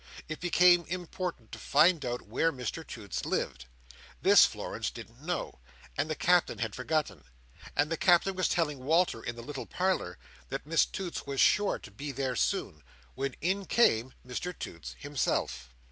it became important to find out where Mr Toots lived. This, Florence didn't know, and the Captain had forgotten; and the Captain was telling Walter, in the little parlour, that Mr Toots was sure to be there soon, when in came Mr Toots himself.